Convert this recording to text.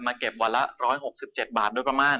เก็บวันละ๑๖๗บาทโดยประมาณ